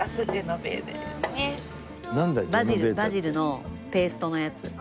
バジルのペーストのやつ。